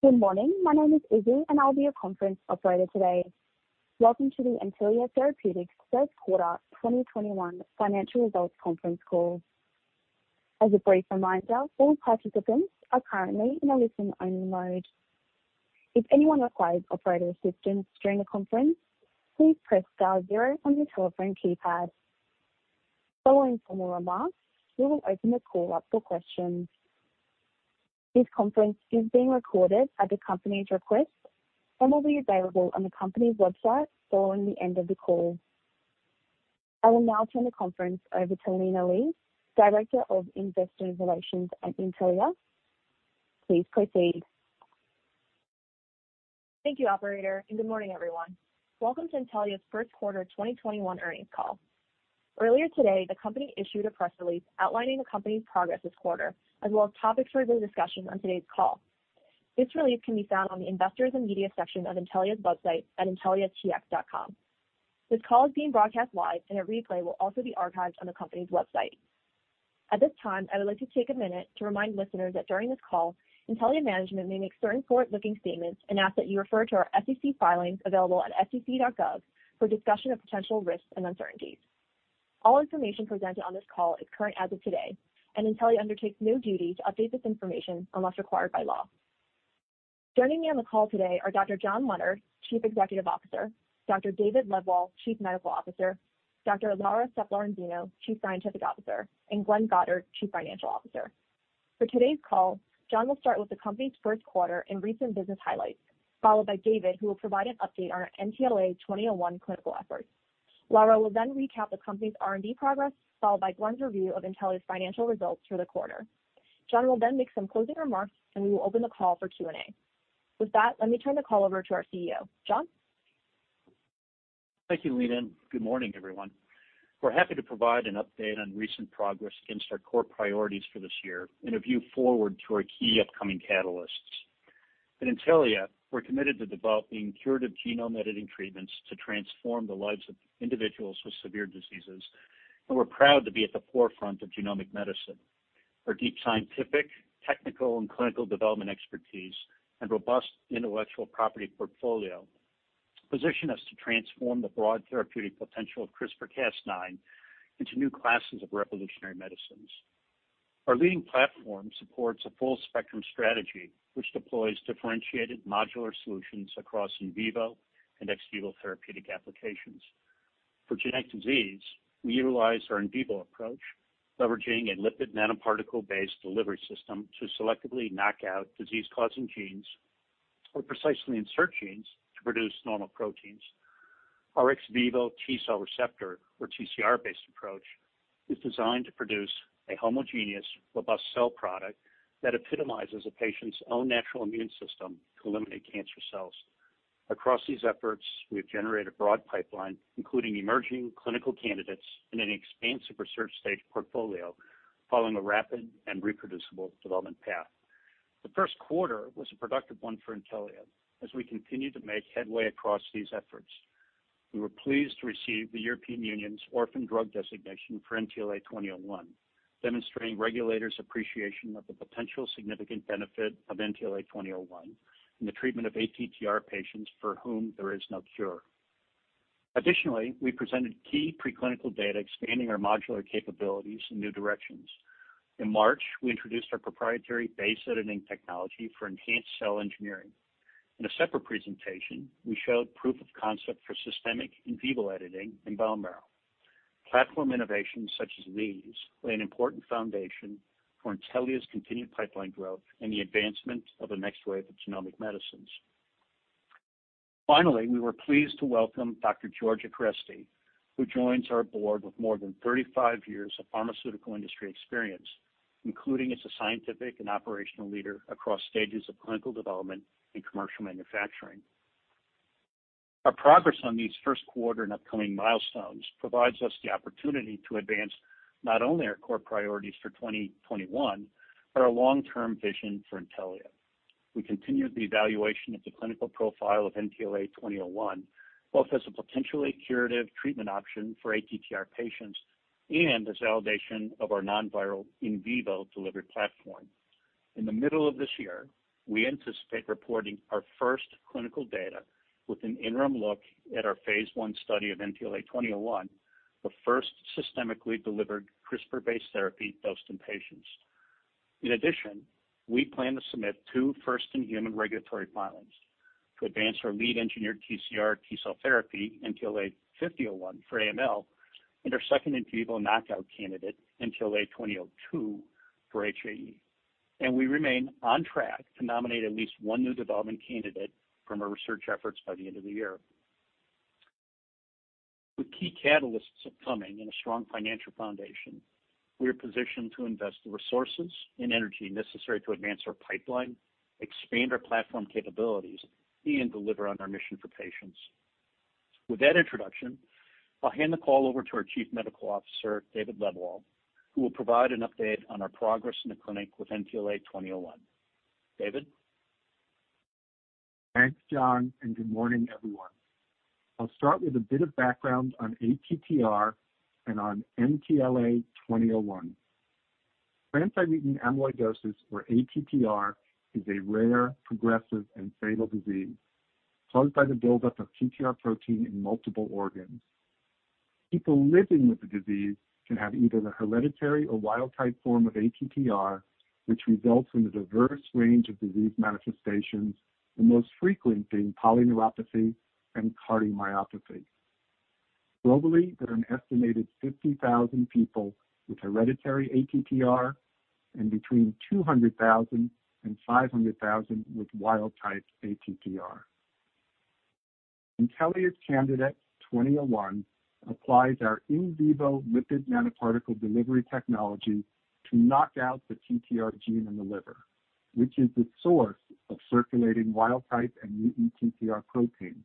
Good morning. My name is Izzy, and I'll be your conference operator today. Welcome to the Intellia Therapeutics First Quarter 2021 Financial Results Conference Call. As a brief reminder, all participants are currently in a listen-only mode. If anyone requires operator assistance during the conference, please press star zero on your telephone keypad. Following formal remarks, we will open the call up for questions. This conference is being recorded at the company's request and will be available on the company's website following the end of the call. I will now turn the conference over to Lina Li, Director of Investor Relations at Intellia. Please proceed. Thank you, operator. Good morning, everyone. Welcome to Intellia's First Quarter 2021 Earnings all. Earlier today, the company issued a press release outlining the company's progress this quarter, as well as topics for their discussion on today's call. This release can be found on the Investors and Media section of Intellia's website at intelliatx.com. This call is being broadcast live. A replay will also be archived on the company's website. At this time, I would like to take a minute to remind listeners that during this call, Intellia management may make certain forward-looking statements and ask that you refer to our SEC filings available at sec.gov for a discussion of potential risks and uncertainties. All information presented on this call is current as of today. Intellia undertakes no duty to update this information unless required by law. Joining me on the call today are Dr. John Leonard, Chief Executive Officer, Dr. David Lebwohl, Chief Medical Officer, Dr. Laura Sepp-Lorenzino, Chief Scientific Officer, and Glenn Goddard, Chief Financial Officer. For today's call, John will start with the company's first quarter and recent business highlights, followed by David, who will provide an update on our NTLA-2001 clinical efforts. Laura will then recap the company's R&D progress, followed by Glenn's review of Intellia's financial results for the quarter. John will then make some closing remarks, and we will open the call for Q&A. With that, let me turn the call over to our CEO. John? Thank you, Lina. Good morning, everyone. We're happy to provide an update on recent progress against our core priorities for this year and a view forward to our key upcoming catalysts. At Intellia, we're committed to developing curative genome editing treatments to transform the lives of individuals with severe diseases, and we're proud to be at the forefront of genomic medicine. Our deep scientific, technical, and clinical development expertise and robust intellectual property portfolio position us to transform the broad therapeutic potential of CRISPR-Cas9 into new classes of revolutionary medicines. Our leading platform supports a full-spectrum strategy, which deploys differentiated modular solutions across in vivo and ex vivo therapeutic applications. For genetic disease, we utilize our in vivo approach, leveraging a lipid nanoparticle-based delivery system to selectively knock out disease-causing genes or precisely insert genes to produce normal proteins. Our ex vivo T-cell receptor, or TCR-based approach, is designed to produce a homogeneous, robust cell product that epitomizes a patient's own natural immune system to eliminate cancer cells. Across these efforts, we've generated a broad pipeline, including emerging clinical candidates in an expansive research stage portfolio, following a rapid and reproducible development path. The first quarter was a productive one for Intellia as we continued to make headway across these efforts. We were pleased to receive the European Union's Orphan Drug Designation for NTLA-2001, demonstrating regulators' appreciation of the potential significant benefit of NTLA-2001 in the treatment of ATTR patients for whom there is no cure. Additionally, we presented key preclinical data expanding our modular capabilities in new directions. In March, we introduced our proprietary base editing technology for enhanced cell engineering. In a separate presentation, we showed proof of concept for systemic in vivo editing in bone marrow. Platform innovations such as these lay an important foundation for Intellia's continued pipeline growth and the advancement of the next wave of genomic medicines. Finally, we were pleased to welcome Dr. Georgia Keresty, who joins our board with more than 35 years of pharmaceutical industry experience, including as a scientific and operational leader across stages of clinical development and commercial manufacturing. Our progress on these first quarter and upcoming milestones provides us the opportunity to advance not only our core priorities for 2021, but our long-term vision for Intellia. We continued the evaluation of the clinical profile of NTLA-2001, both as a potentially curative treatment option for ATTR patients and as validation of our non-viral in vivo delivery platform. In the middle of this year, we anticipate reporting our first clinical data with an interim look at our phase I study of NTLA-2001, the first systemically delivered CRISPR-based therapy dosed in patients. In addition, we plan to submit two first-in-human regulatory filings to advance our lead engineered TCR T-cell therapy, NTLA-5001 for AML, and our second in vivo knockout candidate, NTLA-2002 for HAE. We remain on track to nominate at least one new development candidate from our research efforts by the end of the year. With key catalysts upcoming and a strong financial foundation, we are positioned to invest the resources and energy necessary to advance our pipeline, expand our platform capabilities, and deliver on our mission for patients. With that introduction, I'll hand the call over to our Chief Medical Officer, David Lebwohl, who will provide an update on our progress in the clinic with NTLA-2001. David? Thanks, John, and good morning, everyone. I'll start with a bit of background on ATTR and on NTLA-2001. Transthyretin amyloidosis, or ATTR, is a rare, progressive, and fatal disease caused by the buildup of TTR protein in multiple organs. People living with the disease can have either the hereditary or wild-type form of ATTR, which results in a diverse range of disease manifestations, the most frequent being polyneuropathy and cardiomyopathy. Globally, there are an estimated 50,000 people with hereditary ATTR and between 200,000 and 500,000 with wild-type ATTR. Intellia's candidate 2001 applies our in vivo lipid nanoparticle delivery technology to knock out the TTR gene in the liver, which is the source of circulating wild-type and mutant TTR protein,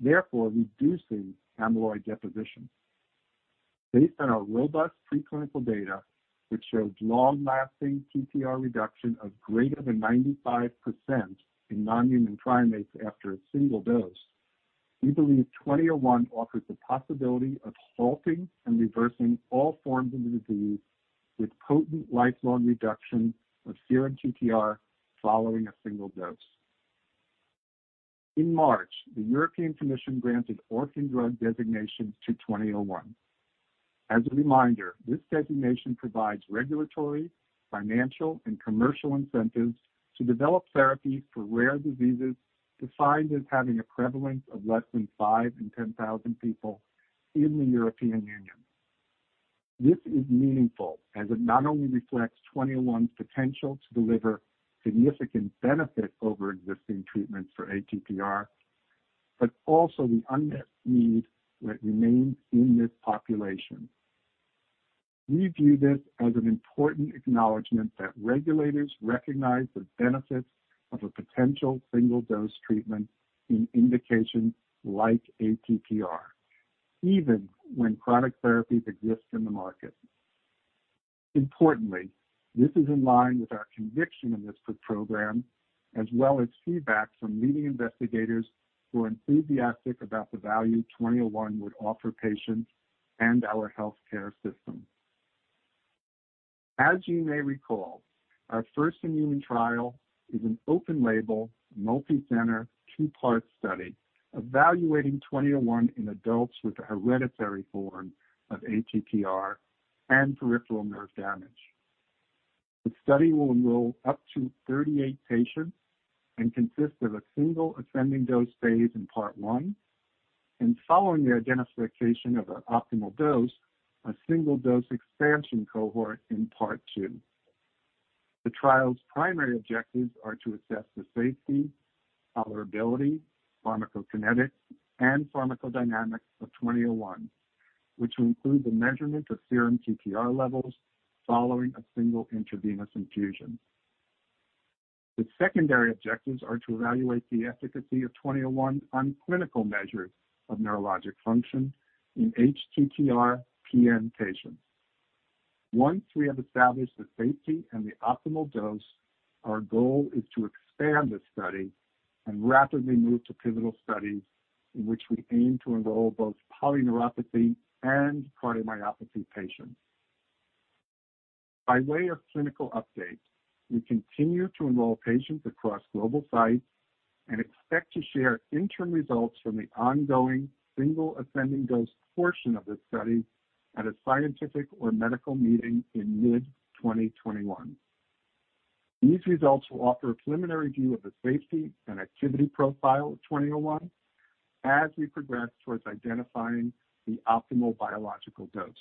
therefore reducing amyloid deposition. Based on our robust preclinical data, which showed long-lasting TTR reduction of greater than 95% in non-human primates after a single dose, we believe 2001 offers the possibility of halting and reversing all forms of the disease with potent lifelong reduction of serum TTR following a single dose. In March, the European Commission granted Orphan Drug Designation to 2001. As a reminder, this designation provides regulatory, financial, and commercial incentives to develop therapies for rare diseases defined as having a prevalence of less than five in 10,000 people in the European Union. This is meaningful as it not only reflects 2001's potential to deliver significant benefit over existing treatments for ATTR, but also the unmet need that remains in this population. We view this as an important acknowledgement that regulators recognize the benefits of a potential single-dose treatment in indications like ATTR, even when chronic therapies exist in the market. Importantly, this is in line with our conviction in this program, as well as feedback from leading investigators who are enthusiastic about the value 2001 would offer patients and our healthcare system. As you may recall, our first-in-human trial is an open-label, multicenter, two-part study evaluating 2001 in adults with the hereditary form of ATTR and peripheral nerve damage. The study will enroll up to 38 patients and consist of a single ascending dose phase in part one, and following the identification of an optimal dose, a single dose expansion cohort in part two. The trial's primary objectives are to assess the safety, tolerability, pharmacokinetics, and pharmacodynamics of 2001, which will include the measurement of serum TTR levels following a single intravenous infusion. The secondary objectives are to evaluate the efficacy of 2001 on clinical measures of neurologic function in hATTR-PN patients. Once we have established the safety and the optimal dose, our goal is to expand this study and rapidly move to pivotal studies in which we aim to enroll both polyneuropathy and cardiomyopathy patients. By way of clinical updates, we continue to enroll patients across global sites and expect to share interim results from the ongoing single ascending dose portion of this study at a scientific or medical meeting in mid 2021. These results will offer a preliminary view of the safety and activity profile of 2001 as we progress towards identifying the optimal biological dose.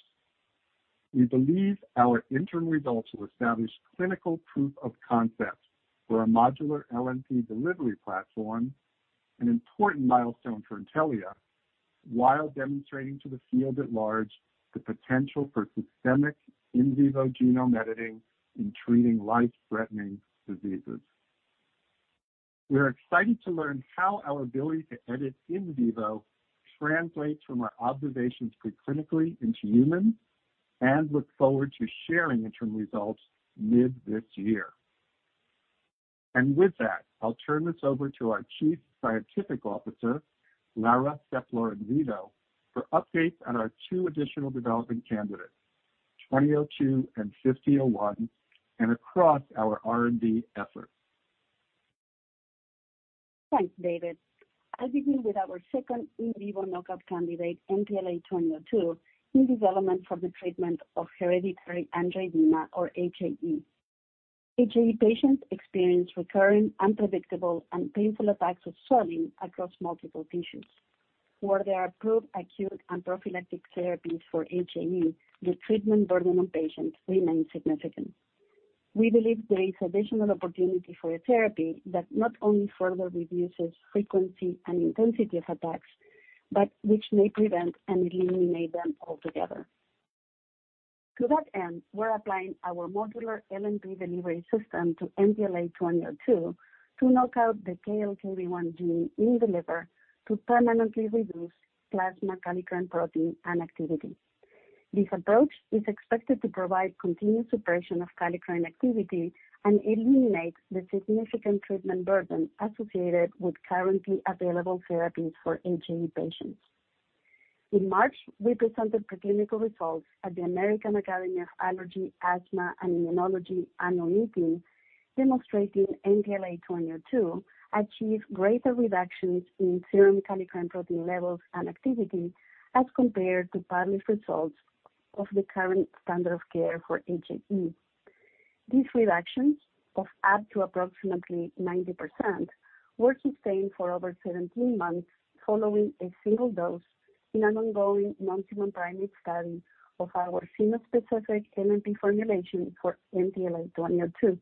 We believe our interim results will establish clinical proof of concept for our modular LNP delivery platform, an important milestone for Intellia, while demonstrating to the field at large the potential for systemic in vivo genome editing in treating life-threatening diseases. We are excited to learn how our ability to edit in vivo translates from our observations pre-clinically into humans, and look forward to sharing interim results mid this year. With that, I'll turn this over to our Chief Scientific Officer, Laura Sepp-Lorenzino, for updates on our two additional developing candidates, 2002 and 5001, and across our R&D efforts. Thanks, David. I'll begin with our second in vivo knockout candidate, NTLA-2002, in development for the treatment of hereditary angioedema, or HAE. HAE patients experience recurring, unpredictable, and painful attacks of swelling across multiple tissues. Where there are approved acute and prophylactic therapies for HAE, the treatment burden on patients remains significant. We believe there is additional opportunity for a therapy that not only further reduces frequency and intensity of attacks, but which may prevent and eliminate them altogether. To that end, we're applying our modular LNP delivery system to NTLA-2002 to knock out the KLKB1 gene in the liver to permanently reduce plasma kallikrein protein and activity. This approach is expected to provide continuous suppression of kallikrein activity and eliminate the significant treatment burden associated with currently available therapies for HAE patients. In March, we presented preclinical results at the American Academy of Allergy, Asthma & Immunology annual meeting demonstrating NTLA-2002 achieved greater reductions in serum kallikrein protein levels and activity as compared to published results of the current standard of care for HAE. These reductions of up to approximately 90% were sustained for over 17 months following a single dose in an ongoing multicenter primary study of our Fino-specific LNP formulation for NTLA-2002.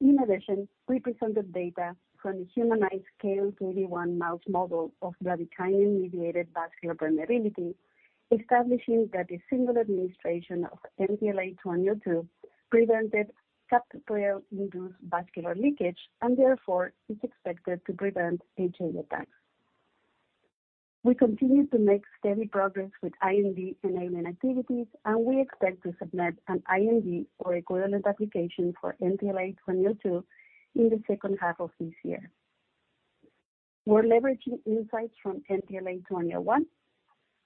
In addition, we presented data from the humanized KL31 mouse model of bradykinin-mediated vascular permeability, establishing that a single administration of NTLA-2002 prevented capsaicin-induced vascular leakage, and therefore is expected to prevent HAE attacks. We continue to make steady progress with IND-enabling activities, and we expect to submit an IND or equivalent application for NTLA-2002 in the second half of this year. We're leveraging insights from NTLA-2001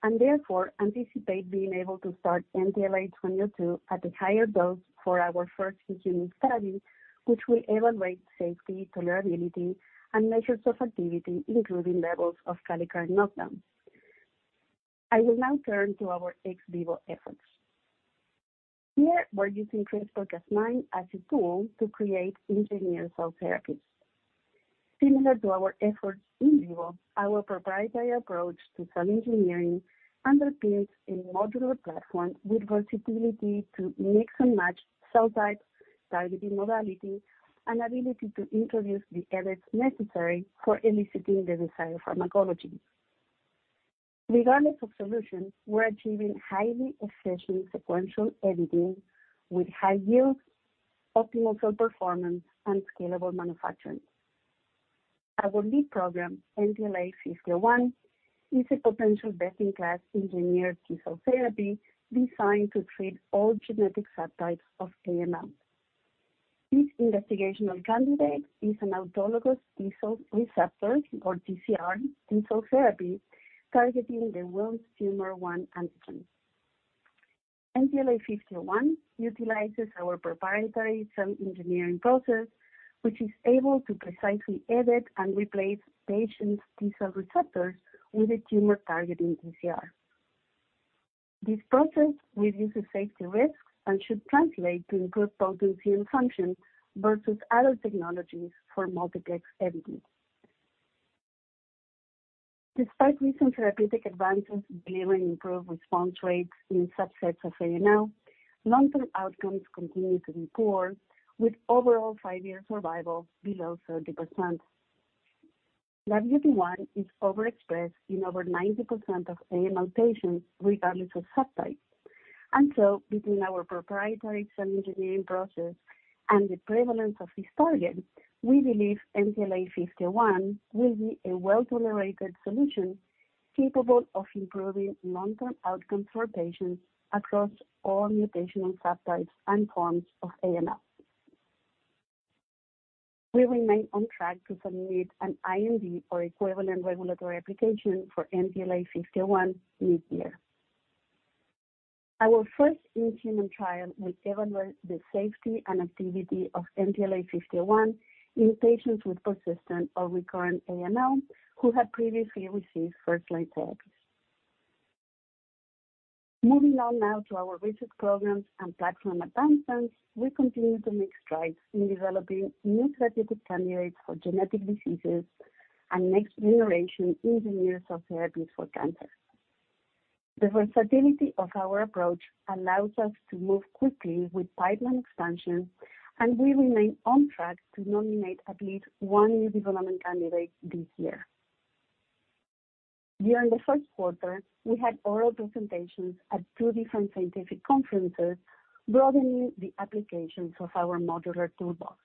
and therefore anticipate being able to start NTLA-2002 at a higher dose for our first in-human study, which will evaluate safety, tolerability, and measures of activity, including levels of kallikrein knockdown. I will now turn to our ex vivo efforts. Here, we're using CRISPR-Cas9 as a tool to create engineered cell therapies. Similar to our efforts in vivo, our proprietary approach to cell engineering underpins a modular platform with versatility to mix and match cell types, targeting modality, and ability to introduce the edits necessary for eliciting the desired pharmacology. Regardless of solutions, we're achieving highly efficient sequential editing with high yield, optimal cell performance, and scalable manufacturing. Our lead program, NTLA-5001, is a potential best-in-class engineered T-cell therapy designed to treat all genetic subtypes of AML. This investigational candidate is an autologous T-cell receptor, or TCR, T-cell therapy targeting the Wilms' tumor one antigen. NTLA-5001 utilizes our proprietary cell engineering process, which is able to precisely edit and replace patients' T-cell receptors with a tumor-targeting TCR. This process reduces safety risks and should translate to improved potency and function versus other technologies for multiplex editing. Despite recent therapeutic advances delivering improved response rates in subsets of AML, long-term outcomes continue to be poor, with overall five-year survival below 30%. WT1 is overexpressed in over 90% of AML patients regardless of subtype. Between our proprietary cell engineering process and the prevalence of this target, we believe NTLA-5001 will be a well-tolerated solution capable of improving long-term outcomes for patients across all mutational subtypes and forms of AML. We remain on track to submit an IND or equivalent regulatory application for NTLA-5001 this year. Our first in-human trial will evaluate the safety and activity of NTLA-5001 in patients with persistent or recurrent AML who have previously received first-line therapy. Moving on now to our research programs and platform advancements, we continue to make strides in developing new therapeutic candidates for genetic diseases and next-generation engineered cell therapies for cancer. The versatility of our approach allows us to move quickly with pipeline expansion, and we remain on track to nominate at least one new development candidate this year. During the first quarter, we had oral presentations at two different scientific conferences broadening the applications of our modular toolbox.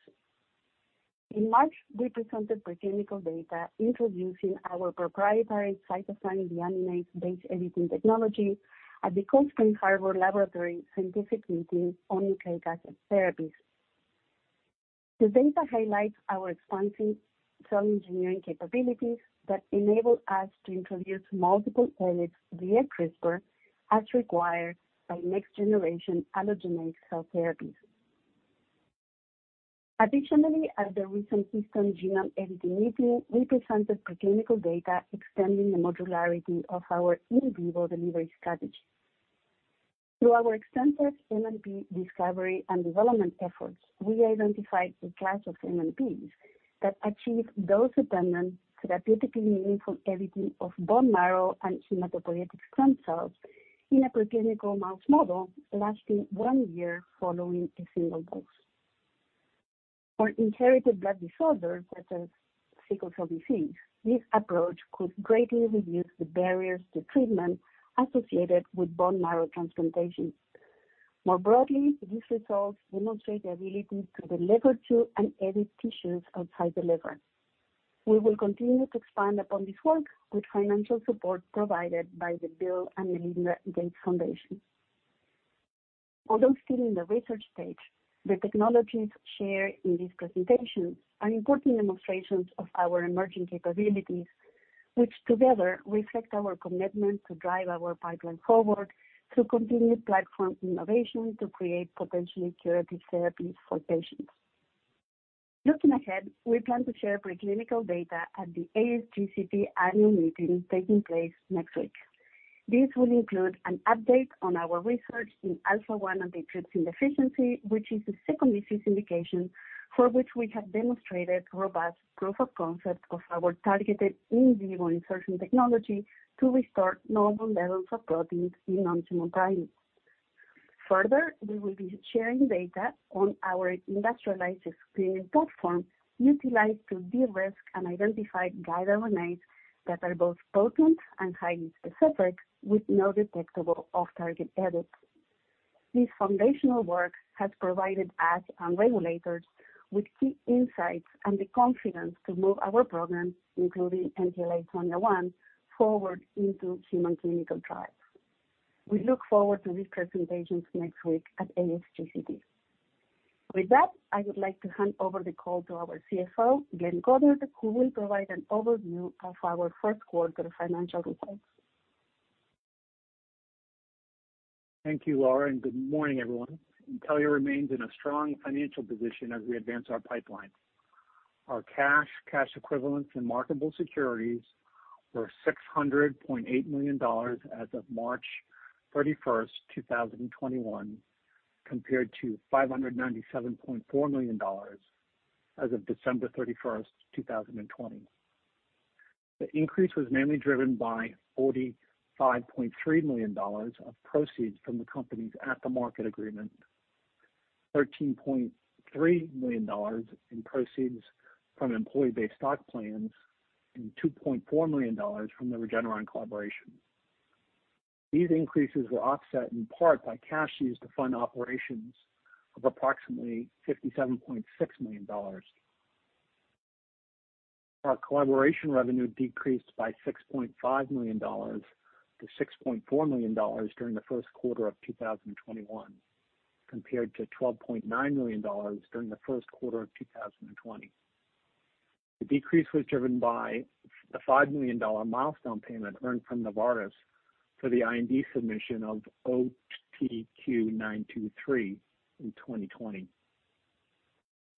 In March, we presented preclinical data introducing our proprietary cytosine deaminase base editing technology at the Cold Spring Harbor Laboratory scientific meeting on CAR-T therapies. The data highlights our expanding cell engineering capabilities that enable us to introduce multiple edits via CRISPR as required by next-generation allogeneic cell therapies. Additionally, at the recent Houston Genome Editing Meeting, we presented preclinical data extending the modularity of our in vivo delivery strategy. Through our extensive LNP discovery and development efforts, we identified a class of LNPs that achieve dose-dependent, therapeutically meaningful editing of bone marrow and hematopoietic stem cells in a preclinical mouse model lasting one year following a single dose. For inherited blood disorders such as sickle cell disease, this approach could greatly reduce the barriers to treatment associated with bone marrow transplantation. More broadly, these results demonstrate the ability to deliver to and edit tissues outside the liver. We will continue to expand upon this work with financial support provided by the Bill & Melinda Gates Foundation. Although still in the research stage, the technologies shared in this presentation are important demonstrations of our emerging capabilities, which together reflect our commitment to drive our pipeline forward through continued platform innovation to create potentially curative therapies for patients. Looking ahead, we plan to share preclinical data at the ASGCT annual meeting taking place next week. This will include an update on our research in alpha-1 antitrypsin deficiency, which is the second disease indication for which we have demonstrated robust proof of concept of our targeted in vivo insertion technology to restore normal levels of proteins in non-human primates. Further, we will be sharing data on our industrialized screen platform utilized to de-risk and identify guide RNAs that are both potent and highly specific with no detectable off-target edits. This foundational work has provided us and regulators with key insights and the confidence to move our programs, including NTLA-2001, forward into human clinical trials. We look forward to these presentations next week at ASGCT. With that, I would like to hand over the call to our CFO, Glenn Goddard, who will provide an overview of our first quarter financial results. Thank you, Laura, and good morning, everyone. Intellia remains in a strong financial position as we advance our pipeline. Our cash equivalents, and marketable securities were $600.8 million as of March 31st, 2021, compared to $597.4 million as of December 31st, 2020. The increase was mainly driven by $45.3 million of proceeds from the company's at the market agreement, $13.3 million in proceeds from employee-based stock plans, and $2.4 million from the Regeneron collaboration. These increases were offset in part by cash used to fund operations of approximately $57.6 million. Our collaboration revenue decreased by $6.5 million to $6.4 million during the first quarter of 2021, compared to $12.9 million during the first quarter of 2020. The decrease was driven by the $5 million milestone payment earned from Novartis for the IND submission of OTQ-923 in 2020.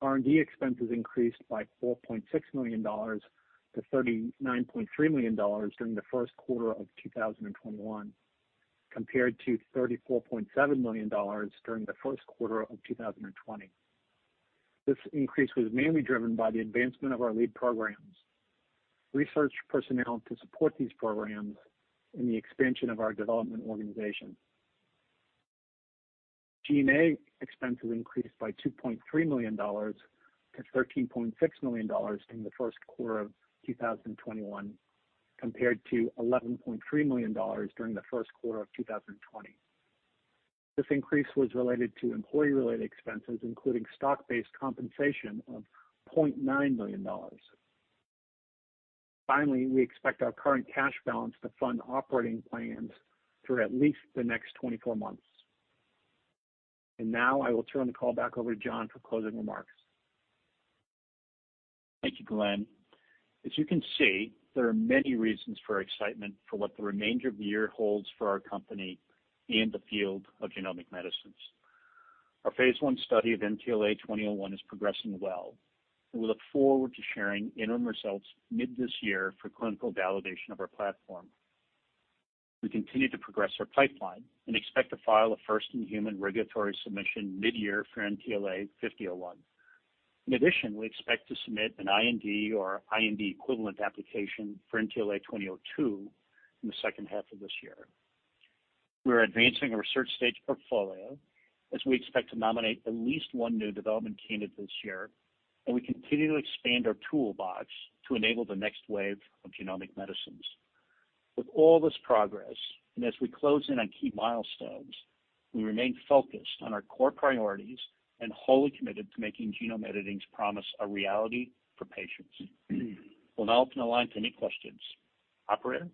R&D expenses increased by $4.6 million-$39.3 million during the first quarter of 2021, compared to $34.7 million during the first quarter of 2020. This increase was mainly driven by the advancement of our lead programs, research personnel to support these programs, and the expansion of our development organization. G&A expenses increased by $2.3 million-$13.6 million in the first quarter of 2021, compared to $11.3 million during the first quarter of 2020. This increase was related to employee-related expenses, including stock-based compensation of $0.9 million. Finally, we expect our current cash balance to fund operating plans through at least the next 24 months. Now I will turn the call back over to John for closing remarks. Thank you, Glenn. As you can see, there are many reasons for excitement for what the remainder of the year holds for our company in the field of genomic medicines. Our phase I study of NTLA-2001 is progressing well, and we look forward to sharing interim results mid this year for clinical validation of our platform. We continue to progress our pipeline and expect to file a first-in-human regulatory submission midyear for NTLA-5001. In addition, we expect to submit an IND or IND equivalent application for NTLA-2002 in the second half of this year. We are advancing our research stage portfolio as we expect to nominate at least one new development candidate this year, and we continue to expand our toolbox to enable the next wave of genomic medicines. With all this progress, as we close in on key milestones, we remain focused on our core priorities and wholly committed to making genome editing's promise a reality for patients. We'll now open the line to any questions. Operator?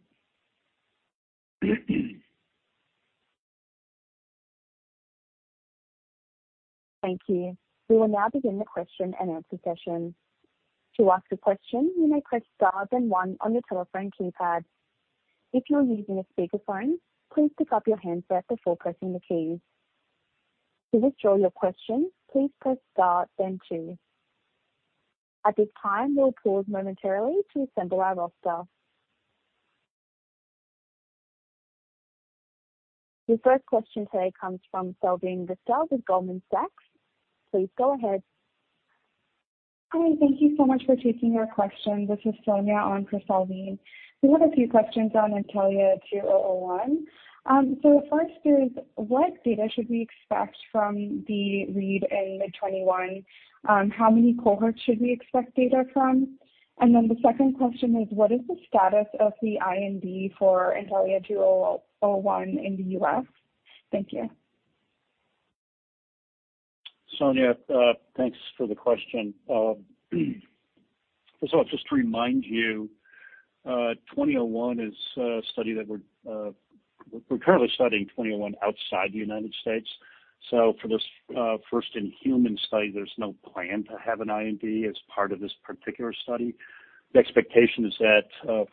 Thank you. We will now begin the question and answer session. To ask a question you may press star then one on your telephone keypad. If you are using a speaker phone please pick up your handset before pressing the key. To withdraw your question please press star then two. At this time we will pause momentarily to combine the roster. Your first question today comes from Salveen Richter with Goldman Sachs. Please go ahead. Hi, thank you so much for taking our question. This is Sonia on for Salveen. We have a few questions on NTLA-2001. The first is, what data should we expect from the read in mid-2021? How many cohorts should we expect data from? The second question is, what is the status of the IND for NTLA-2001 in the U.S.? Thank you. Sonia, thanks for the question. First of all, just to remind you, 2001 is a study that we're currently studying 2001 outside the U.S. For this first in-human study, there's no plan to have an IND as part of this particular study. The expectation is that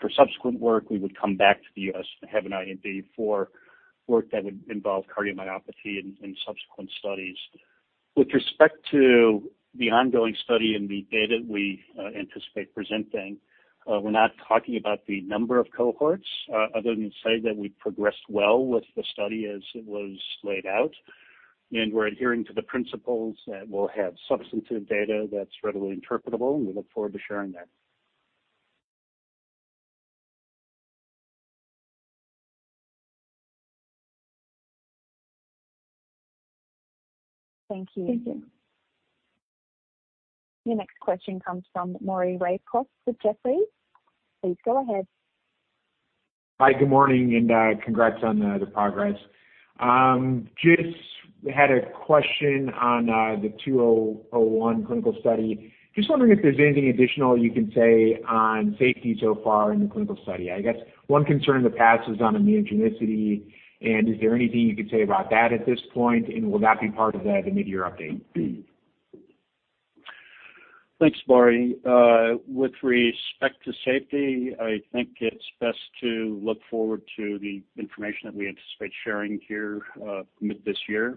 for subsequent work, we would come back to the U.S. and have an IND for work that would involve cardiomyopathy in subsequent studies. With respect to the ongoing study and the data we anticipate presenting, we're not talking about the number of cohorts, other than to say that we've progressed well with the study as it was laid out, and we're adhering to the principles that we'll have substantive data that's readily interpretable, and we look forward to sharing that. Thank you. Thank you. Your next question comes from Maury Raycroft with Jefferies. Please go ahead. Hi, good morning, and congrats on the progress. Just had a question on the NTLA-2001 clinical study. Just wondering if there's anything additional you can say on safety so far in the clinical study. I guess one concern in the past is on immunogenicity. Is there anything you could say about that at this point, and will that be part of the mid-year update? Thanks, Maury. With respect to safety, I think it's best to look forward to the information that we anticipate sharing here mid this year.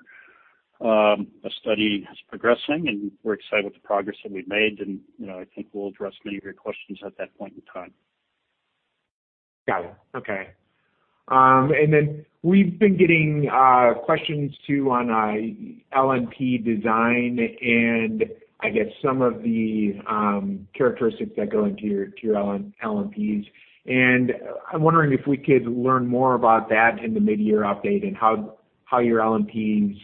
The study is progressing, and we're excited with the progress that we've made, and I think we'll address many of your questions at that point in time. Got it. Okay. We've been getting questions, too, on LNP design and I guess some of the characteristics that go into your LNPs. I'm wondering if we could learn more about that in the mid-year update and how your LNPs,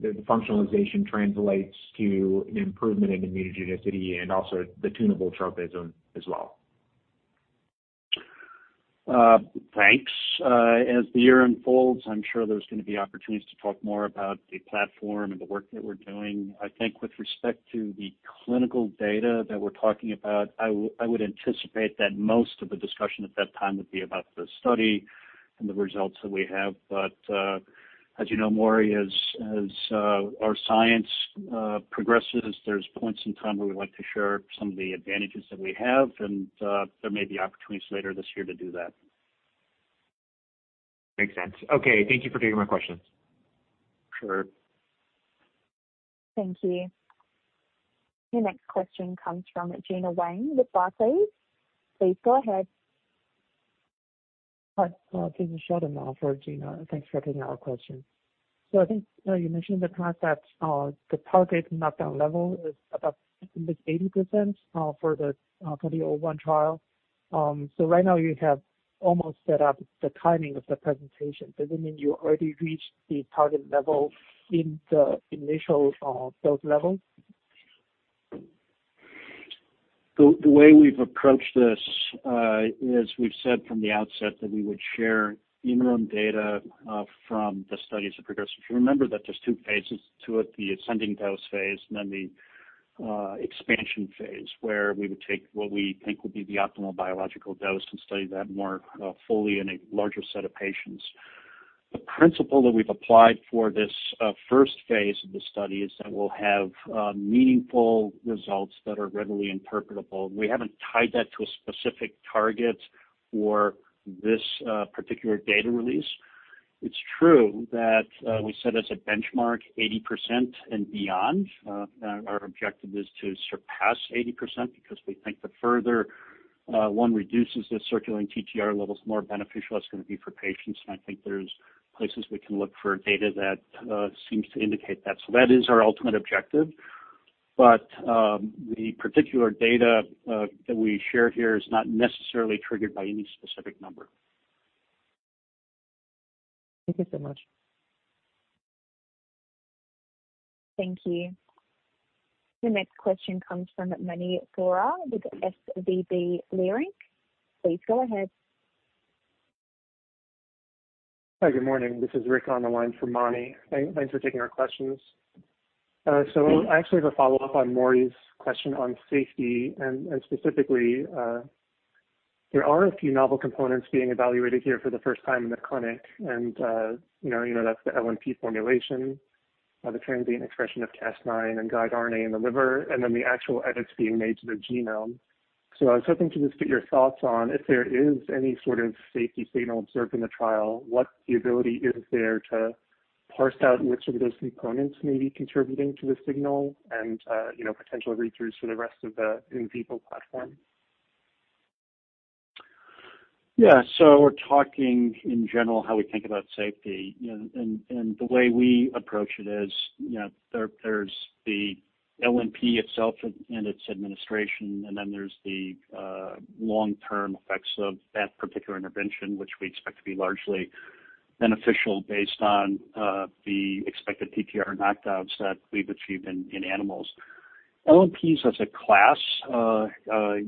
the functionalization translates to an improvement in immunogenicity and also the tunable tropism as well. Thanks. As the year unfolds, I'm sure there's going to be opportunities to talk more about the platform and the work that we're doing. I think with respect to the clinical data that we're talking about, I would anticipate that most of the discussion at that time would be about the study and the results that we have. As you know, Maury, as our science progresses, there's points in time where we like to share some of the advantages that we have, and there may be opportunities later this year to do that. Makes sense. Okay. Thank you for taking my questions. Sure. Thank you. Your next question comes from Gena Wang with Barclays. Please go ahead. Hi. This is Sheldon, not for Gena. Thanks for taking our question. I think you mentioned the concept of the target knockdown level is about 80% for the NTLA-2001 trial. Right now you have almost set up the timing of the presentation. Does it mean you already reached the target level in the initial dose level? The way we've approached this is we've said from the outset that we would share interim data from the studies that progress. If you remember that there's two phases to it, the ascending dose phase and then the expansion phase, where we would take what we think would be the optimal biological dose and study that more fully in a larger set of patients. The principle that we've applied for this first phase of the study is that we'll have meaningful results that are readily interpretable. We haven't tied that to a specific target for this particular data release. It's true that we set as a benchmark 80% and beyond. Our objective is to surpass 80% because we think the further one reduces the circulating TTR levels, the more beneficial it's going to be for patients. I think there's places we can look for data that seems to indicate that. That is our ultimate objective, but the particular data that we share here is not necessarily triggered by any specific number. Thank you so much. Thank you. The next question comes from Mani Foroohar with SVB Leerink. Please go ahead. Hi, good morning. This is Rick on the line for Mani. Thanks for taking our questions. I actually have a follow-up on Maury's question on safety, and specifically, there are a few novel components being evaluated here for the first time in the clinic. You know that's the LNP formulation, the transient expression of Cas9 and guide RNA in the liver, and then the actual edits being made to the genome. I was hoping to just get your thoughts on if there is any sort of safety signal observed in the trial, what the ability is there to parse out which of those components may be contributing to the signal and potential read-throughs for the rest of the in vivo platform? We're talking in general how we think about safety, and the way we approach it is there's the LNP itself and its administration, and then there's the long-term effects of that particular intervention, which we expect to be largely beneficial based on the expected TTR knockdowns that we've achieved in animals. LNPs as a class,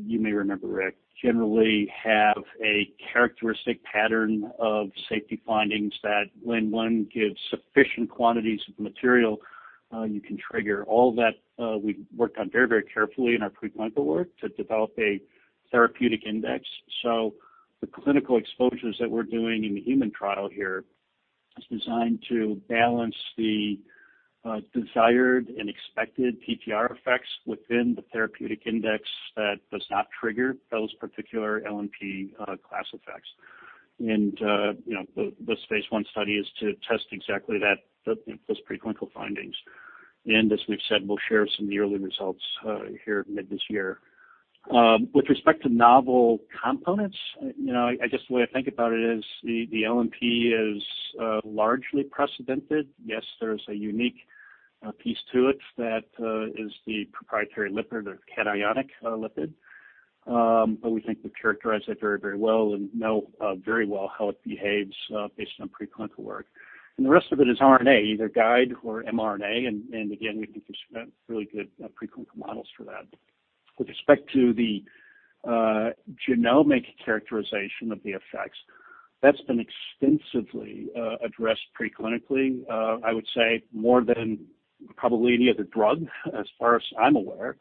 you may remember, Rick, generally have a characteristic pattern of safety findings that when one gives sufficient quantities of material, you can trigger all that we've worked on very carefully in our preclinical work to develop a therapeutic index. The clinical exposures that we're doing in the human trial here is designed to balance the desired and expected TTR effects within the therapeutic index that does not trigger those particular LNP class effects. This phase I study is to test exactly those preclinical findings. As we've said, we'll share some of the early results here mid this year. With respect to novel components, just the way I think about it is the LNP is largely precedented. Yes, there is a unique piece to it that is the proprietary lipid or cationic lipid. We think we've characterized that very well and know very well how it behaves based on preclinical work. The rest of it is RNA, either guide or mRNA, and again, we think we've spent really good preclinical models for that. With respect to the genomic characterization of the effects, that's been extensively addressed preclinically. I would say more than probably any other drug, as far as I'm aware.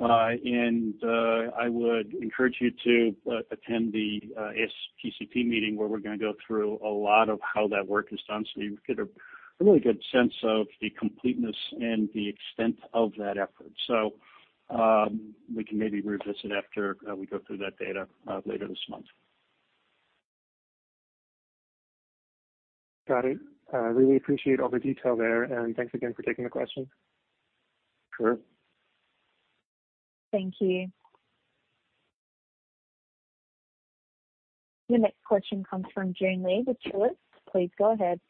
I would encourage you to attend the ASGCT meeting where we're going to go through a lot of how that work is done so you get a really good sense of the completeness and the extent of that effort. We can maybe revisit after we go through that data later this month. Got it. I really appreciate all the detail there, and thanks again for taking the question. Sure. Thank you. Your next question comes from Gena Wang with Barclays. Please go ahead.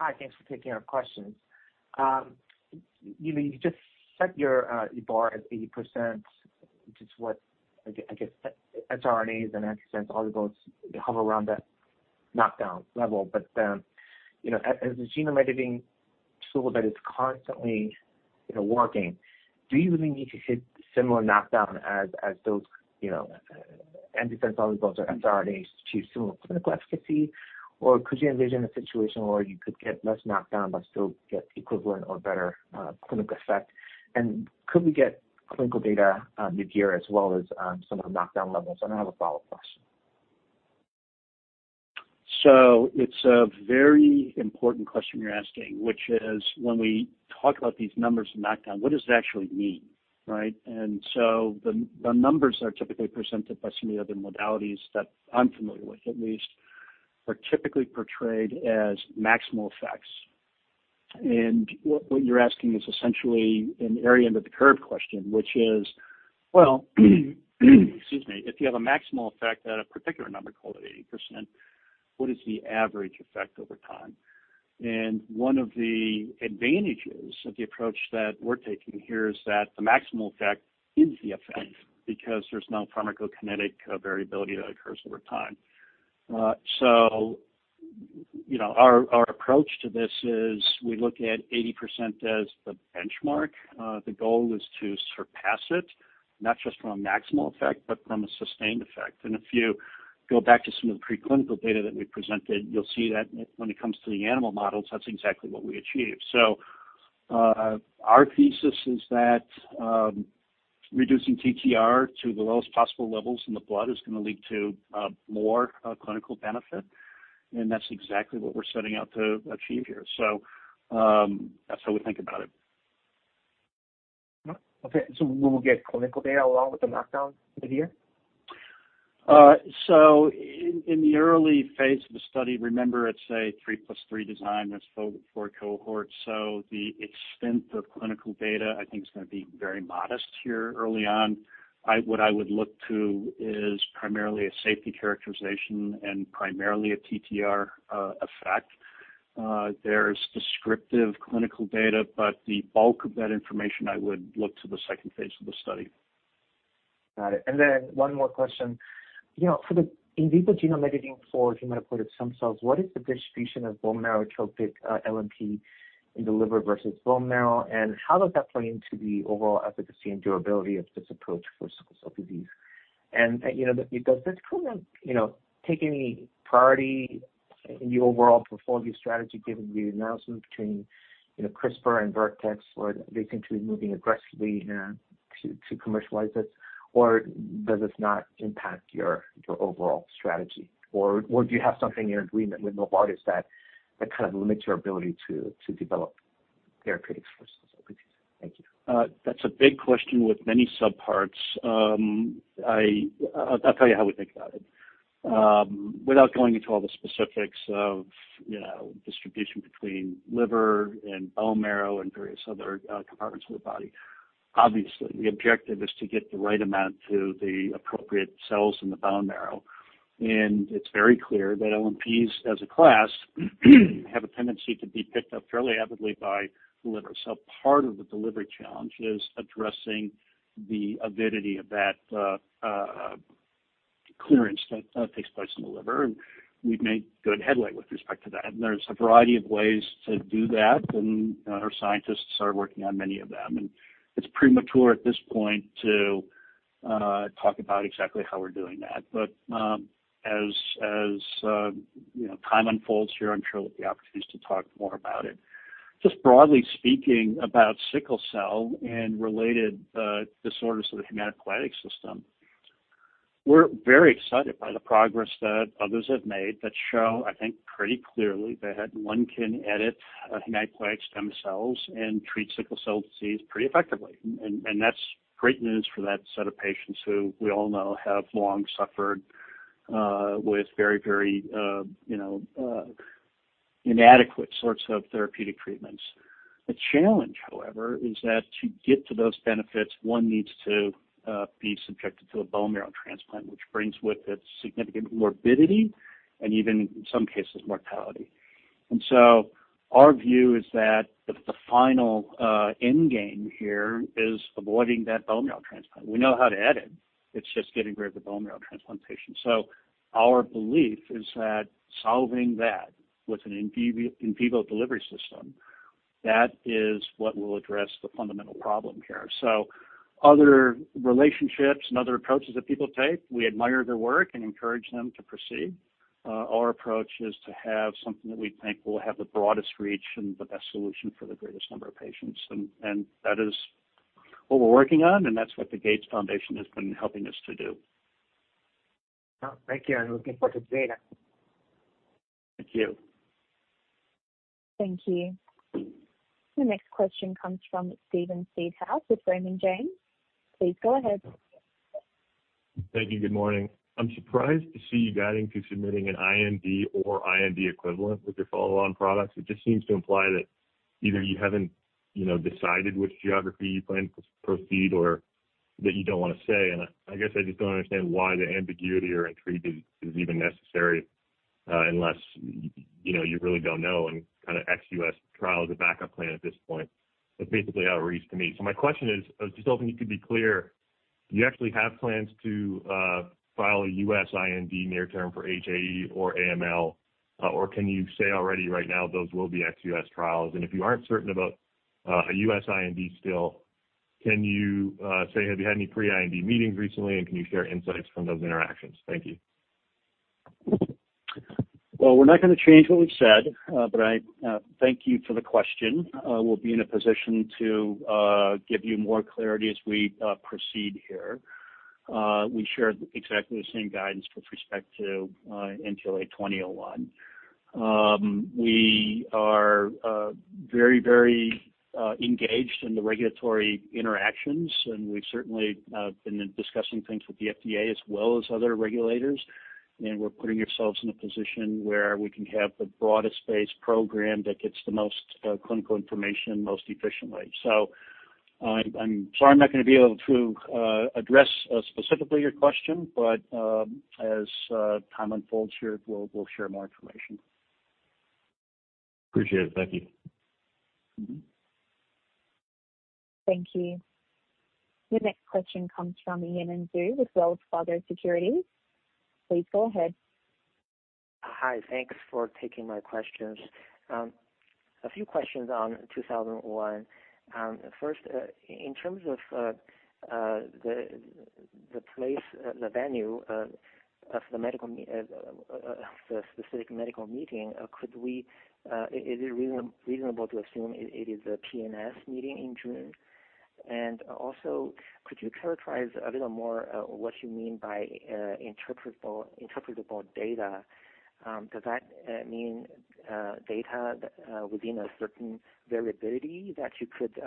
Hi, thanks for taking our questions. You just set your bar at 80%, which is what I guess, siRNAs and antisense oligonucleotides hover around that knockdown level. As a genome editing tool that is constantly working, do you really need to hit similar knockdown as those antisense oligonucleotides or siRNAs to achieve similar clinical efficacy, or could you envision a situation where you could get less knockdown but still get equivalent or better clinical effect? Could we get clinical data mid-year as well as some of the knockdown levels? I have a follow-up question. It's a very important question you're asking, which is when we talk about these numbers of knockdown, what does it actually mean, right? The numbers that are typically presented by some of the other modalities that I'm familiar with, at least, are typically portrayed as maximal effects. What you're asking is essentially an area under the curve question, which is, well excuse me, if you have a maximal effect at a particular number, call it 80%, what is the average effect over time? One of the advantages of the approach that we're taking here is that the maximal effect is the effect because there's no pharmacokinetic variability that occurs over time. Our approach to this is we look at 80% as the benchmark. The goal is to surpass it, not just from a maximal effect, but from a sustained effect. If you go back to some of the preclinical data that we presented, you'll see that when it comes to the animal models, that's exactly what we achieved. Our thesis is that reducing TTR to the lowest possible levels in the blood is going to lead to more clinical benefit, and that's exactly what we're setting out to achieve here. That's how we think about it. Okay. We will get clinical data along with the knockdown mid-year? In the early phase of the study, remember it's a three plus three design. There's four cohorts. The extent of clinical data I think is going to be very modest here early on. What I would look to is primarily a safety characterization and primarily a TTR effect. There's descriptive clinical data, but the bulk of that information, I would look to the second phase of the study. Got it. One more question. For the in vivo genome editing for hematopoietic stem cells, what is the distribution of bone marrow tropic LNP in the liver versus bone marrow, and how does that play into the overall efficacy and durability of this approach for sickle cell disease? Does this kind of take any priority in your overall portfolio strategy given the announcement between CRISPR and Vertex, where they continue moving aggressively to commercialize it? Does this not impact your overall strategy? Do you have something in your agreement with Novartis that kind of limits your ability to develop therapeutics for sickle cell disease? Thank you. That's a big question with many subparts. I'll tell you how we think about it. Without going into all the specifics of distribution between liver and bone marrow and various other compartments of the body, obviously, the objective is to get the right amount to the appropriate cells in the bone marrow. It's very clear that LNPs as a class have a tendency to be picked up fairly avidly by the liver. Part of the delivery challenge is addressing the avidity of that clearance that takes place in the liver, and we've made good headway with respect to that. There's a variety of ways to do that, and our scientists are working on many of them, and it's premature at this point to talk about exactly how we're doing that. As time unfolds here, I'm sure we'll have the opportunities to talk more about it. Just broadly speaking about sickle cell and related disorders of the hematopoietic system, we're very excited by the progress that others have made that show, I think, pretty clearly that one can edit hematopoietic stem cells and treat sickle cell disease pretty effectively. That's great news for that set of patients who we all know have long suffered with very inadequate sorts of therapeutic treatments. The challenge, however, is that to get to those benefits, one needs to be subjected to a bone marrow transplant, which brings with it significant morbidity and even in some cases, mortality. Our view is that the final endgame here is avoiding that bone marrow transplant. We know how to edit. It's just getting rid of the bone marrow transplantation. Our belief is that solving that with an in vivo delivery system, that is what will address the fundamental problem here. Other relationships and other approaches that people take, we admire their work and encourage them to proceed. Our approach is to have something that we think will have the broadest reach and the best solution for the greatest number of patients. That is what we're working on, and that's what the Gates Foundation has been helping us to do. Oh, thank you. I'm looking forward to the data. Thank you. Thank you. The next question comes from Steven Seedhouse with Raymond James. Please go ahead. Thank you. Good morning. I'm surprised to see you guiding to submitting an IND or IND equivalent with your follow-on products. It just seems to imply that either you haven't decided which geography you plan to proceed or that you don't want to say. I guess I just don't understand why the ambiguity or intrigue is even necessary, unless you really don't know and ex-U.S. trial is a backup plan at this point. That's basically how it reads to me. My question is, I was just hoping you could be clear. Do you actually have plans to file a U.S. IND near term for HAE or AML, or can you say already right now those will be ex-U.S. trials? If you aren't certain about a U.S. IND still, can you say, have you had any pre-IND meetings recently, and can you share insights from those interactions? Thank you. Well, we're not going to change what we've said. I thank you for the question. We'll be in a position to give you more clarity as we proceed here. We shared exactly the same guidance with respect to NTLA-2001. We are very engaged in the regulatory interactions, and we've certainly been discussing things with the FDA as well as other regulators. We're putting ourselves in a position where we can have the broadest base program that gets the most clinical information most efficiently. I'm sorry I'm not going to be able to address specifically your question, but as time unfolds here, we'll share more information. Appreciate it. Thank you. Thank you. The next question comes from Yanan Zhu with Wells Fargo Securities. Please go ahead. Hi. Thanks for taking my questions. A few questions on 2001. First, in terms of the venue of the specific medical meeting, is it reasonable to assume it is a PNS meeting in June? Also, could you characterize a little more what you mean by interpretable data? Does that mean data within a certain variability that you could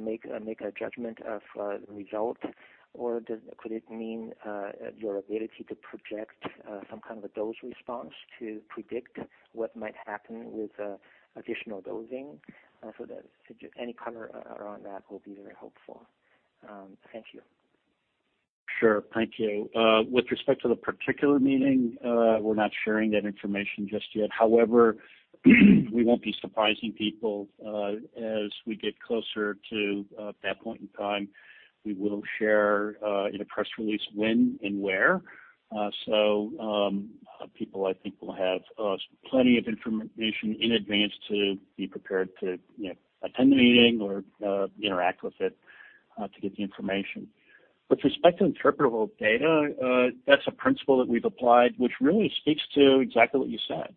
make a judgment of result, or could it mean your ability to project some kind of a dose response to predict what might happen with additional dosing? Any color around that will be very helpful. Thank you. Sure. Thank you. With respect to the particular meeting, we're not sharing that information just yet. We won't be surprising people as we get closer to that point in time. We will share in a press release when and where. People, I think, will have plenty of information in advance to be prepared to attend the meeting or interact with it to get the information. With respect to interpretable data, that's a principle that we've applied, which really speaks to exactly what you said.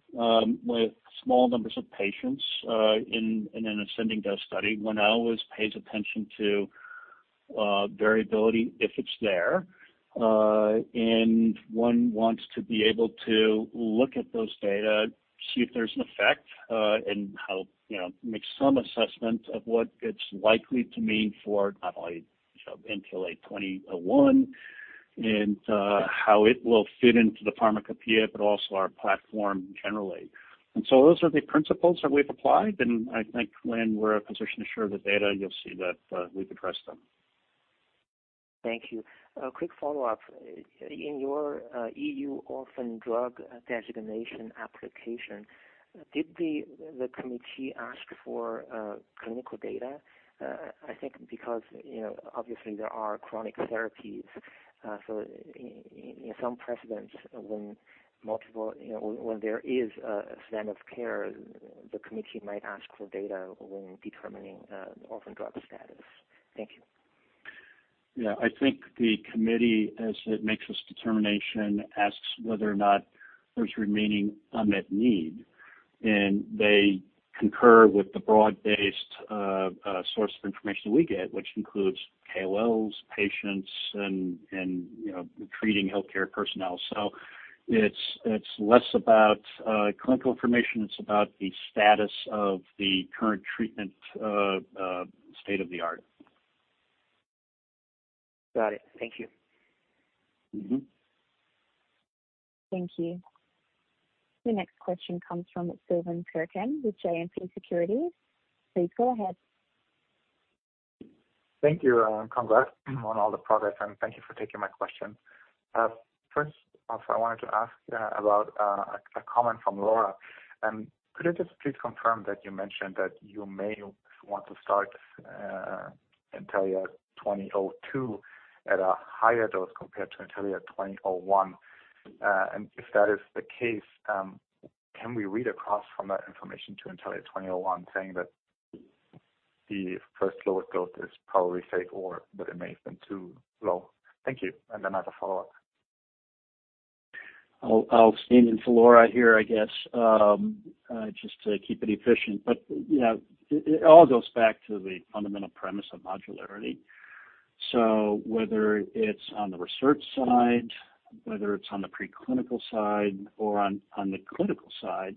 With small numbers of patients in an ascending dose study, one always pays attention to variability if it's there. One wants to be able to look at those data, see if there's an effect, and help make some assessment of what it's likely to mean for not only NTLA-2001 and how it will fit into the pharmacopeia, but also our platform generally. Those are the principles that we've applied, and I think when we're in a position to share the data, you'll see that we've addressed them. Thank you. A quick follow-up. In your EU Orphan Drug Designation application, did the committee ask for clinical data? I think because obviously there are chronic therapies, in some precedents, when there is a standard of care, the committee might ask for data when determining orphan drug status. Thank you. Yeah. I think the committee, as it makes this determination, asks whether or not there's remaining unmet need, and they concur with the broad-based source of information we get, which includes KOLs, patients, and treating healthcare personnel. It's less about clinical information, it's about the status of the current treatment state of the art. Got it. Thank you. Thank you. The next question comes from Silvan Tuerkcan with JMP Securities. Please go ahead. Thank you. Congrats on all the progress, and thank you for taking my question. First off, I wanted to ask about a comment from Laura. Could I just please confirm that you mentioned that you may want to start NTLA-2002 at a higher dose compared to NTLA-2001? If that is the case, can we read across from that information to NTLA-2001 saying that the first lower dose is probably safe or that it may have been too low? Thank you. Another follow-up. I'll stand in for Laura here, I guess, just to keep it efficient. It all goes back to the fundamental premise of modularity. Whether it's on the research side, whether it's on the preclinical side or on the clinical side,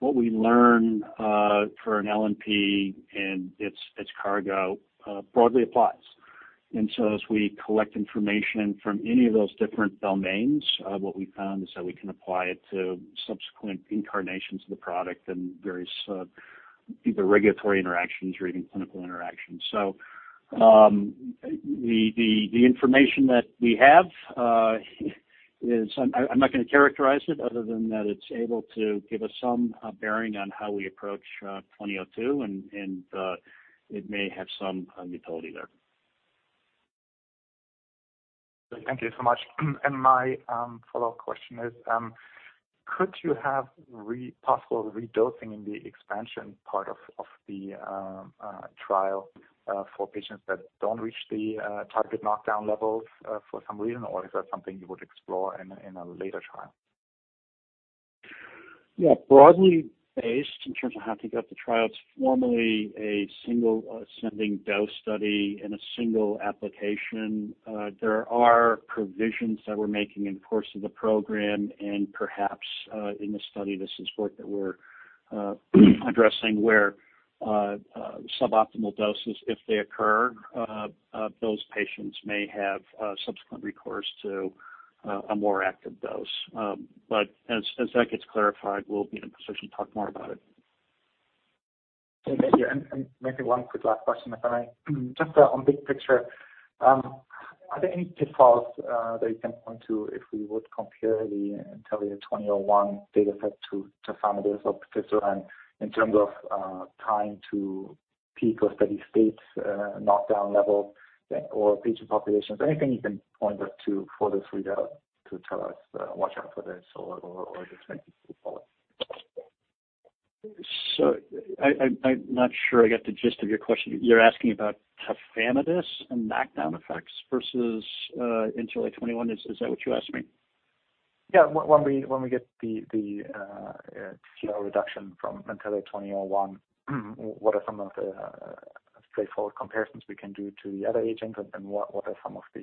what we learn for an LNP and its cargo broadly applies. As we collect information from any of those different domains, what we found is that we can apply it to subsequent incarnations of the product and various either regulatory interactions or even clinical interactions. The information that we have, I'm not going to characterize it other than that it's able to give us some bearing on how we approach 2002, and it may have some utility there. Thank you so much. My follow-up question is, could you have possible redosing in the expansion part of the trial for patients that don't reach the target knockdown levels for some reason? Is that something you would explore in a later trial? Yeah. Broadly based in terms of how to get the trials formally a single ascending dose study in a single application, there are provisions that we're making in the course of the program and perhaps in the study of this support that we're addressing where suboptimal doses, if they occur, those patients may have subsequent recourse to a more active dose. As that gets clarified, we'll be in a position to talk more about it. Thank you. Maybe one quick last question, if I may. Just on big picture, are there any pitfalls that you can point to if we would compare the NTLA-2001 data set to tafamidis or patisiran in terms of time to peak or steady state knockdown level or patient populations? Anything you can point us to for this readout to tell us, watch out for this or this may be a pitfall? I'm not sure I get the gist of your question. You're asking about tafamidis and knockdown effects versus NTLA-2001, is that what you asked me? Yeah. When we get the TTR reduction from NTLA-2001, what are some of the straightforward comparisons we can do to the other agents, and what are some of the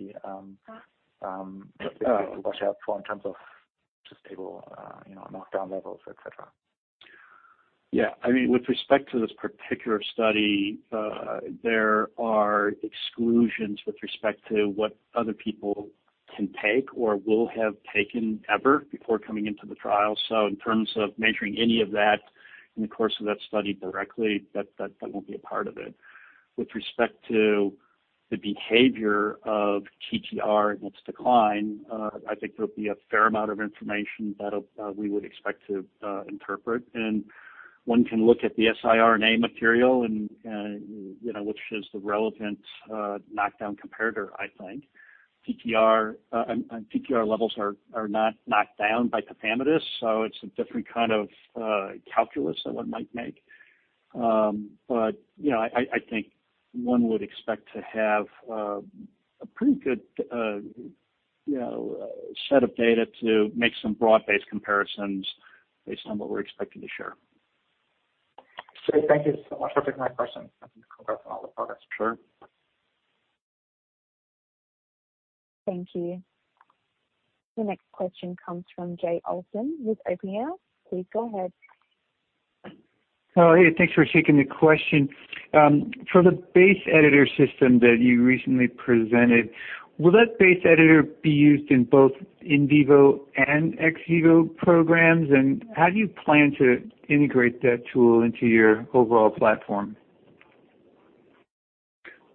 things to watch out for in terms of just stable knockdown levels, et cetera? Yeah. With respect to this particular study, there are exclusions with respect to what other people can take or will have taken ever before coming into the trial. In terms of measuring any of that in the course of that study directly, that won't be a part of it. With respect to the behavior of TTR and its decline, I think there'll be a fair amount of information that we would expect to interpret, and one can look at the siRNA material, which is the relevant knockdown comparator, I think. TTR levels are not knocked down by tafamidis, so it's a different kind of calculus that one might make. I think one would expect to have a pretty good set of data to make some broad-based comparisons based on what we're expecting to share. Great. Thank you so much for taking my question. Congrats on all the progress. Sure. Thank you. The next question comes from Jay Olson with Oppenheimer. Please go ahead. Oh, hey, thanks for taking the question. For the base editor system that you recently presented, will that base editor be used in both in vivo and ex vivo programs? How do you plan to integrate that tool into your overall platform?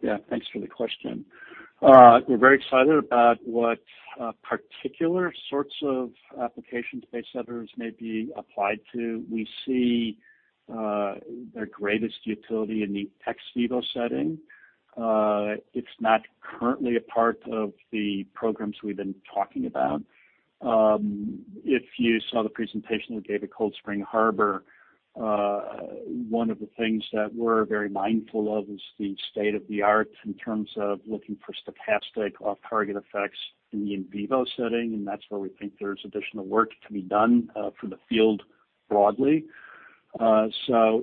Yeah, thanks for the question. We're very excited about what particular sorts of applications base editors may be applied to. We see their greatest utility in the ex vivo setting. It's not currently a part of the programs we've been talking about. If you saw the presentation we gave at Cold Spring Harbor, one of the things that we're very mindful of is the state of the art in terms of looking for stochastic off-target effects in the in vivo setting, and that's where we think there's additional work to be done for the field broadly.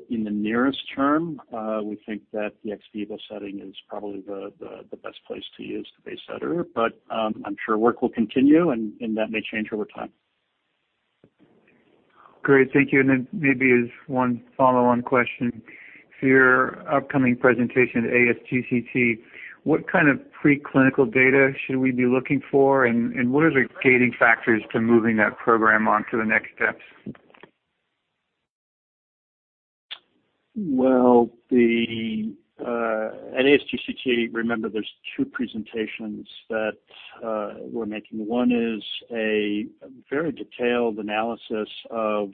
In the nearest term, we think that the ex vivo setting is probably the best place to use the base editor. I'm sure work will continue, and that may change over time. Great. Thank you. Maybe as one follow-on question, for your upcoming presentation at ASGCT, what kind of preclinical data should we be looking for, and what are the gating factors to moving that program on to the next steps? Well, at ASGCT, remember, there's two presentations that we're making. One is a very detailed analysis of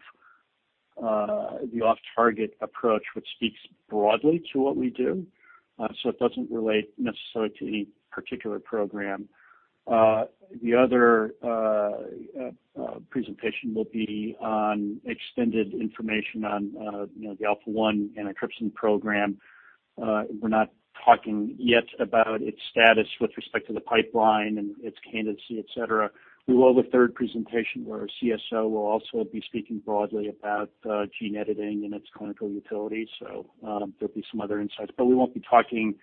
the off-target approach, which speaks broadly to what we do. It doesn't relate necessarily to any particular program. The other presentation will be on extended information on the Alpha-1 antitrypsin program. We're not talking yet about its status with respect to the pipeline and its candidacy, et cetera. We will have a third presentation where our CSO will also be speaking broadly about gene editing and its clinical utility. There'll be some other insights, but we won't be talking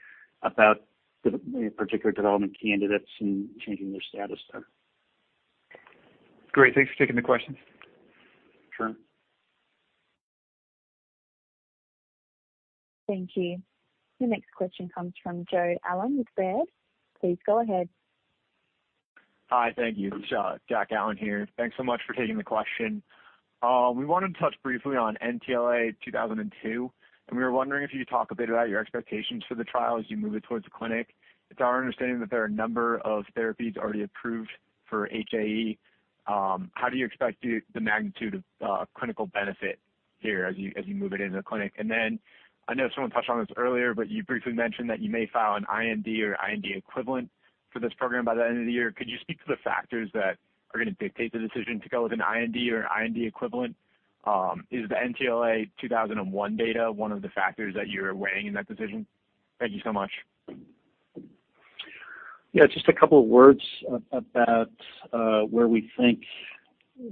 about the particular development candidates and changing their status there. Great. Thanks for taking the question. Sure. Thank you. The next question comes from Jake Roberge with Baird. Please go ahead. Hi, thank you. Jake Roberge here. Thanks so much for taking the question. We wanted to touch briefly on NTLA-2002, we were wondering if you could talk a bit about your expectations for the trial as you move it towards the clinic. It's our understanding that there are a number of therapies already approved for HAE. How do you expect the magnitude of clinical benefit here as you move it into the clinic? I know someone touched on this earlier, you briefly mentioned that you may file an IND or IND equivalent for this program by the end of the year. Could you speak to the factors that are going to dictate the decision to go with an IND or an IND equivalent? Is the NTLA-2001 data one of the factors that you're weighing in that decision? Thank you so much. Yeah, just a couple of words about where we think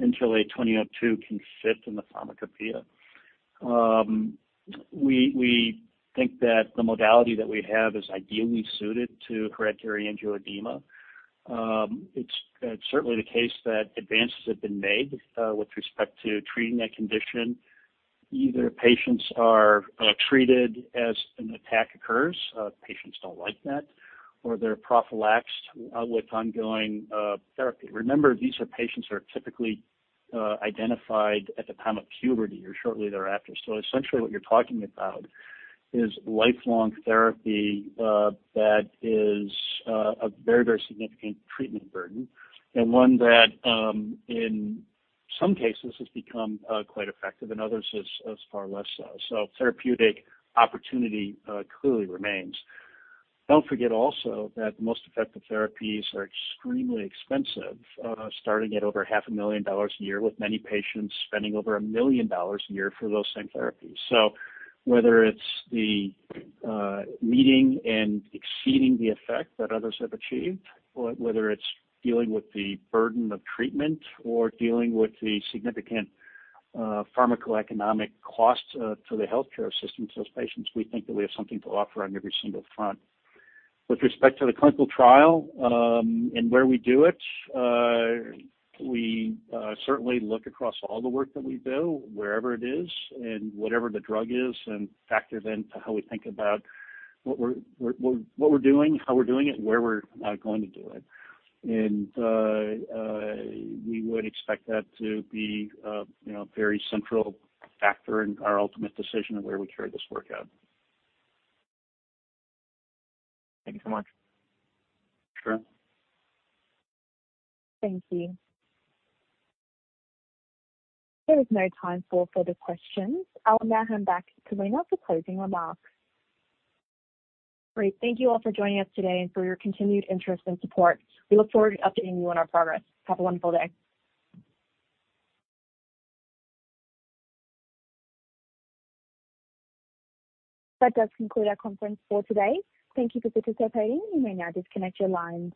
NTLA-2002 can fit in the pharmacopeia. We think that the modality that we have is ideally suited to hereditary angioedema. It's certainly the case that advances have been made with respect to treating that condition. Either patients are treated as an attack occurs, patients don't like that, or they're prophylaxed with ongoing therapy. Remember, these are patients who are typically identified at the time of puberty or shortly thereafter. Essentially what you're talking about is lifelong therapy that is a very significant treatment burden and one that, in some cases, has become quite effective and others is far less so. Therapeutic opportunity clearly remains. Don't forget also that most effective therapies are extremely expensive, starting at over half a million dollars a year, with many patients spending over $1 million a year for those same therapies. Whether it's the meeting and exceeding the effect that others have achieved, or whether it's dealing with the burden of treatment or dealing with the significant pharmacoeconomic costs to the healthcare system, to those patients, we think that we have something to offer on every single front. With respect to the clinical trial and where we do it, we certainly look across all the work that we do, wherever it is and whatever the drug is, and factor then to how we think about what we're doing, how we're doing it, where we're going to do it. We would expect that to be a very central factor in our ultimate decision of where we carry this work out. Thank you so much. Sure. Thank you. There is no time for further questions. I will now hand back to Lina Li for closing remarks. Great. Thank you all for joining us today and for your continued interest and support. We look forward to updating you on our progress. Have a wonderful day. That does conclude our conference for today. Thank you for participating. You may now disconnect your lines.